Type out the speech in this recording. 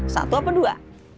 satu apa dua